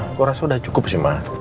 aku rasa udah cukup sih ma